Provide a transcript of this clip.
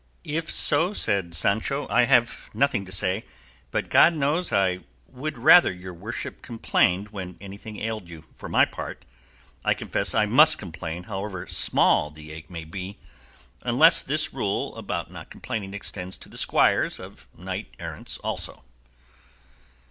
"If so," said Sancho, "I have nothing to say; but God knows I would rather your worship complained when anything ailed you. For my part, I confess I must complain however small the ache may be; unless this rule about not complaining extends to the squires of knights errant also."